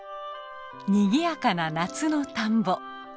にぎやかな夏の田んぼ。